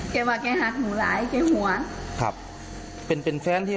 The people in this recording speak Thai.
คบกันไม่ได้จักรตี